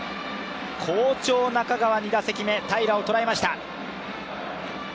好調・中川２打席目、平良を捉えました。